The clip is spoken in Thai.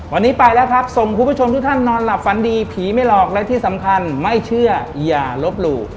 วันนี้ไปแล้วครับส่งคุณผู้ชมทุกท่านนอนหลับฝันดีผีไม่หลอกและที่สำคัญไม่เชื่ออย่าลบหลู่